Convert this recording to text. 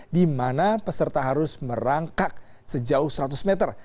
di mana peserta harus merangkak sejauh seratus meter